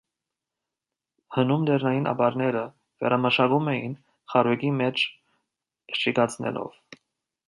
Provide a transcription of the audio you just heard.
Հնում լեռնային ապարները վերամշակում էին խարույկի մեջ շիկացնելով։